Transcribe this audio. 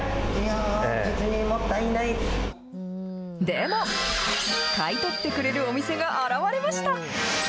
でも、買い取ってくれるお店が現れました。